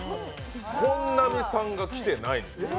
本並さんが来てないんです。